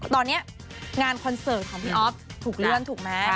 ตอนนี้งานคอนเสิร์ตของพี่อ๊อฟถูกเลื่อนถูกไหม